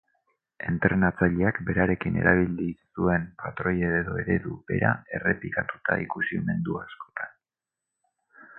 Entrenatzaileak berarekin erabili zuen patroi edo eredu bera errepikatuta ikusi omen du askotan.